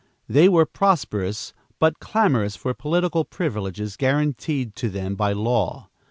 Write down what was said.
They were prosperous, but clamorous for political privileges guaranteed to them by law.